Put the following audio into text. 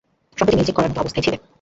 সম্প্রতি mail check করার মতো অবস্থায় ছিলে?